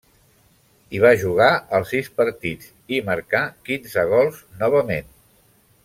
Hi va jugar els sis partits, i hi marcà quinze gols novament.